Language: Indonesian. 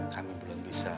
kami belum bisa